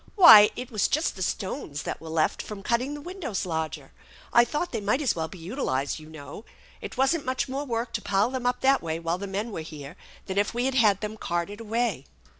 " Why, it was just the stones that were left from cutting the windows larger. I thought they might as well be utilized, you know. It wasn't much more work to pile them up that way while the men were here than if we had had them carted away."